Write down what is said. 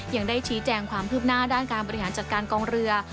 ยังได้ชี้แจงความคืบหน้าด้านการบริหารจัดการกองเรือ